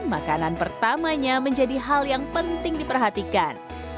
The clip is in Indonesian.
makanan pertamanya menjadi hal yang penting diperhatikan